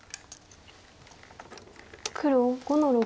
黒５の六。